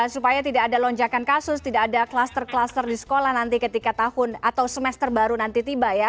supaya tidak ada lonjakan kasus tidak ada kluster kluster di sekolah nanti ketika tahun atau semester baru nanti tiba ya